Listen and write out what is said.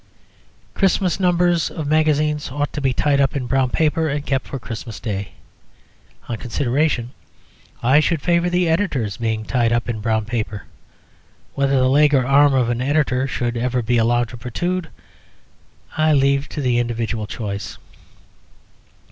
Christmas numbers of magazines ought to be tied up in brown paper and kept for Christmas Day. On consideration, I should favour the editors being tied up in brown paper. Whether the leg or arm of an editor should ever be allowed to protrude I leave to individual choice.